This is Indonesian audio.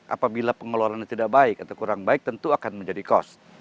apabila pengeluarannya tidak baik atau kurang baik tentu akan menjadi cost